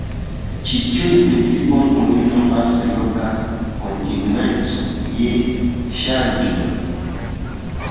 Ĉi tiun principon oni nomas "loka kontinueco je ŝanĝoj".